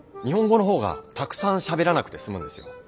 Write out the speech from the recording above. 日本語の方がたくさんしゃべらなくて済むんですよ。